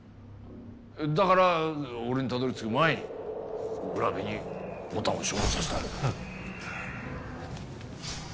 だから俺にたどり着く前に占部に牡丹を処分させた。